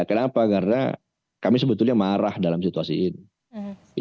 kenapa karena kami sebetulnya marah dalam situasi ini